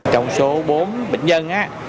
trong số bốn bệnh nhân